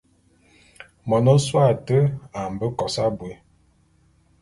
Mon ôsôé ate a mbe kos abui.